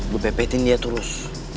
gue pepetin dia terus